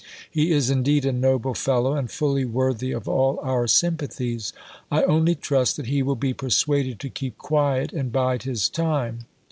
He is indeed a noble fellow, and fully worthy of all our sympathies. I only trust that he will be persuaded to keep quiet and bide his time.